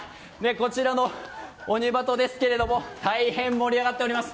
こちらのオニバトですが大変盛り上がっております。